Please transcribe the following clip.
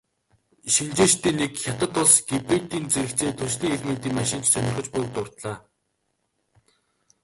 Шинжээчдийн нэг "Хятад улс гибридийн зэрэгцээ түлшний элементийн машин ч сонирхож буй"-г дурдлаа.